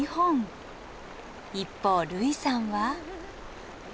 一方類さんは。